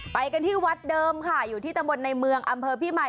ไปกันที่วัดเดิมค่ะอยู่ที่ตำบลในเมืองอำเภอพี่มาย